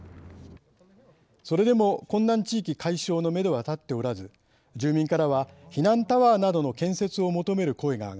それでも困難地域解消のめどは立っておらず住民からは避難タワーなどの建設を求める声が上がっています。